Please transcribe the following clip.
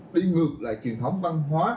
đi ngược lại truyền thống văn hóa